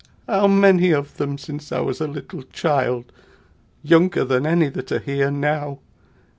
How many of them since I was a little child, younger than any that are here now!